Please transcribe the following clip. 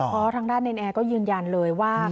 เพราะทางด้านเนรนแอร์ก็ยืนยันเลยว่า